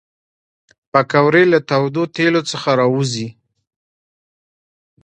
پکورې له تودو تیلو څخه راوزي